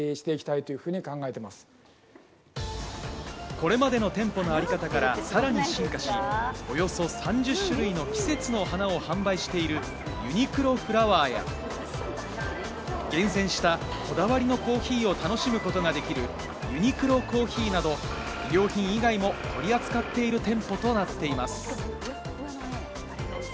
これまでの店舗のあり方から、さらに進化し、およそ３０種類の季節の花を販売しているＵＮＩＱＬＯＦＬＯＷＥＲや、厳選した、こだわりのコーヒーを楽しむことができるＵＮＩＱＬＯＣＯＦＦＥＥなど、衣料品以外も取り扱っている店舗となっています。